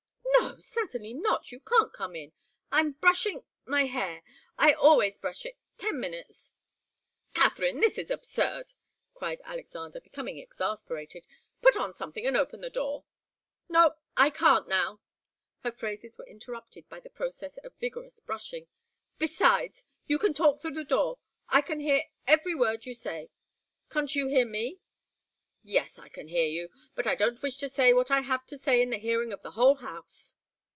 "No. Certainly not. You can't come in. I'm brushing my hair. I always brush it ten minutes." "Katharine this is absurd!" cried Alexander, becoming exasperated. "Put on something and open the door." "No. I can't just now." Her phrases were interrupted by the process of vigorous brushing. "Besides you can talk through the door. I can hear every word you say. Can't you hear me?" "Yes, I can hear you. But I don't wish to say what I have to say in the hearing of the whole house."